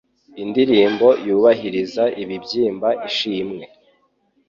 Indirimbo yubahiriza ibibyimba ishimwe.